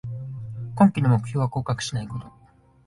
今季の目標は降格しないこと